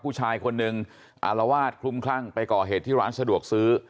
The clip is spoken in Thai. ผู้ชายคนหนึ่งอารวาสคลุมคลั่งไปก่อเหตุที่ร้านสะดวกซื้อ